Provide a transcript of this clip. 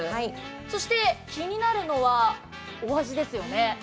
そして気になるのはお味ですよね。